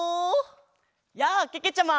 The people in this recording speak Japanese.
やあけけちゃま！